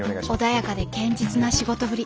穏やかで堅実な仕事ぶり。